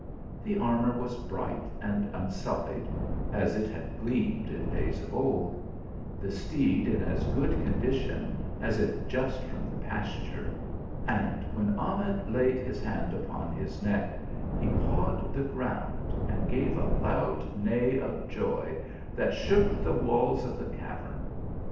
The armour was bright and unsullied, as it had gleamed in days of old ; the steed in as good condi tion as if just from the pasture, and when Ahmed laid his hand upon his neck, he pawed the ground and gave a loud neigh of joy that shook the walls of the cavern.